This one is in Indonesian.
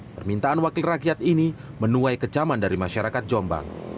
permintaan wakil rakyat ini menuai kecaman dari masyarakat jombang